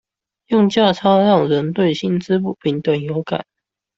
用價差讓人對薪資不平等有感